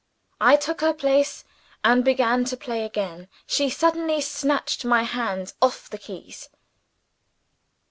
I took her place, and began to play again. She suddenly snatched my hands off the keys.